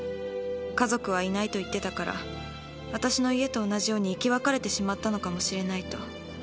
家族はいないと言っていたから私の家と同じように生き別れてしまったのかもしれないと。